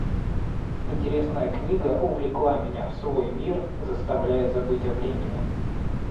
Интересная книга увлекла меня в свой мир, заставляя забыть о времени.